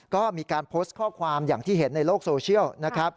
ก็มีการโพสต์ข้อความอย่างที่เห็นในโลกโซเชียลนะครับ